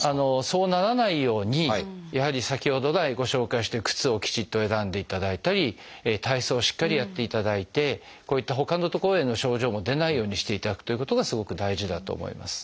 そうならないようにやはり先ほど来ご紹介してる靴をきちっと選んでいただいたり体操をしっかりやっていただいてこういったほかの所での症状も出ないようにしていただくということがすごく大事だと思います。